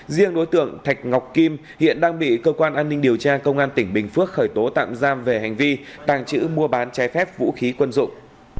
riêng đối tượng thạch ngọc kim hiện đang bị cơ quan an ninh điều tra công an tỉnh bình phước khởi tố tạm giam về hành vi tàng trữ mua bán trái phép vũ khí quân dụng